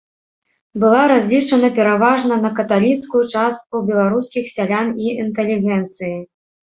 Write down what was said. Была разлічана пераважна на каталіцкую частку беларускіх сялян і інтэлігенцыі.